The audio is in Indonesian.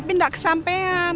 tapi gak kesampean